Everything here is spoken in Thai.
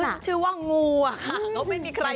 คือชื่อว่างูอะค่ะเขาไม่มีใคร